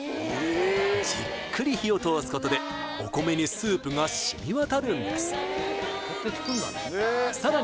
じっくり火を通すことでお米にスープがしみわたるんですさらに